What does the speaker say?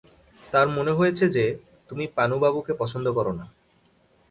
তাঁর মনে হয়েছে যে, তুমি পানুবাবুকে পছন্দ কর না।